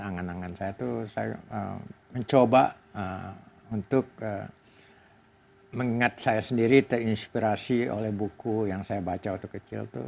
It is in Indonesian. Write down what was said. angan angan saya tuh saya mencoba untuk mengingat saya sendiri terinspirasi oleh buku yang saya baca waktu kecil tuh